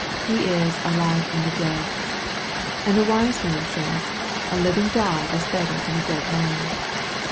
He is " alive from the dead." And the wise man says, " a living dog is better than a dead lion."